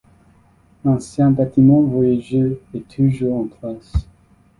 L'ancien bâtiment voyageurs est toujours en place.